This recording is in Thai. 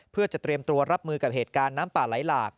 เพื่อจะเตรียมตัวรับมือกับเหตุการณ์น้ำป่าไหลหลาก